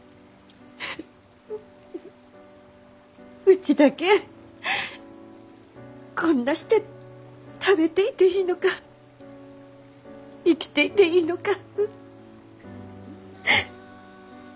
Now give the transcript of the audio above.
うちだけこんなして食べていていいのか生きていていいのか。